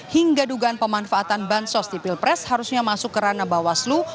hingga dugaan pemanfaatan bansos di pilpres harusnya masuk ke ranah bawaslu